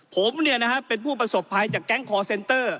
ผมเป็นผู้ประสบภัยจากแก๊งคอร์เซนเตอร์